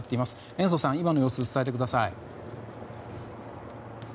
延増さん、今の様子伝えてください。